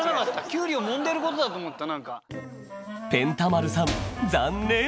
胡瓜をもんでることだと思った何か。